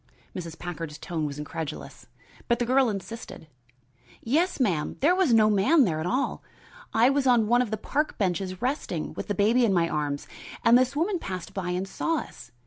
Mrs. Packard's tone was incredulous. But the girl insisted. "Yes, ma'am; there was no man there at all. I was on one of the park benches resting, with the baby in my arms, and this woman passed by and saw us.